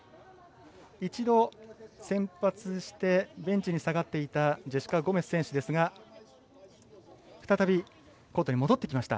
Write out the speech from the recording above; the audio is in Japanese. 一度、先発してベンチに下がっていたジェシカ・ゴメス選手ですが再びコートに戻ってきました。